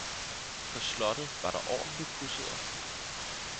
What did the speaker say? På slottet var der ordentligt pudset op!